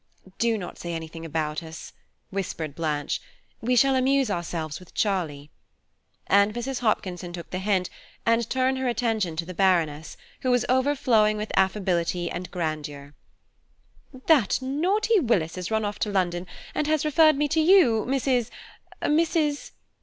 "Do not say anything about us," whispered Blanche; "we shall amuse ourselves with Charlie"; and Mrs. Hopkinson took the hint, and turned her attention to the Baroness, who was overflowing with affability and grandeur. "That naughty Willis has run off to London, and has referred me to you, Mrs.–Mrs.